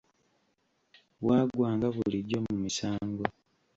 Bwagwanga bulijjo mu misango.